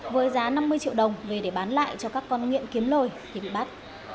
với giá năm mươi triệu đồng về để bán lại cho các con nghiện kiếm lời thì bị bắt